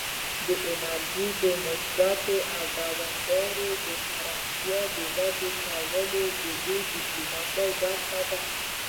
د انرژۍ امنیت او دوامداره پراختیا ته وده ورکول د دې ډیپلوماسي برخې دي